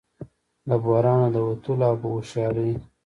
له بحران نه د وتلو او په هوښیارۍ